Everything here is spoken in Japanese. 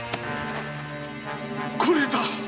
これだ！